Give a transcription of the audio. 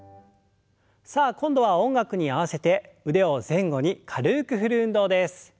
さあ今度は音楽に合わせて腕を前後に軽く振る運動です。